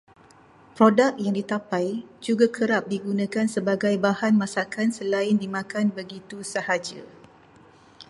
Produk yang ditapai juga kerap digunakan sebagai bahan masakan selain dimakan begitu sahaja.